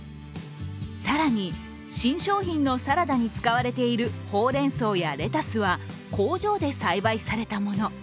更に、新商品のサラダに使われているほうれんそうやレタスは工場で栽培されたもの。